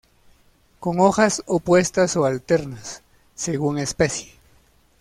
Con hojas opuestas o alternas, según especie.